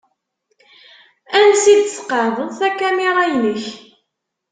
Ansi d-tqeεεdeḍ takamira-inek?